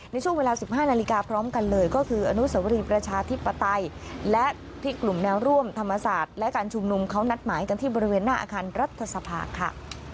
ในช่วงเวลา๑๕นาฬิกาพร้อมกันเลยก็คืออนุสวรีประชาธิปไตยและที่กลุ่มแนวร่วมธรรมศาสตร์และการชุมนุมเขานัดหมายกันที่บริเวณหน้าอาคารรัฐสภาค่ะ